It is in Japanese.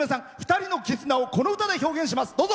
２人の絆をこの歌で表現します。